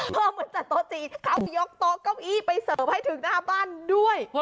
เหมือนจัดโต๊ะจีนเขายกโต๊ะเก้าอี้ไปเสิร์ฟให้ถึงหน้าบ้านด้วย